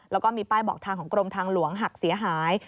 แล้วก็มีป้ายบอกทางของกรมทางหลวงหักเสียหาย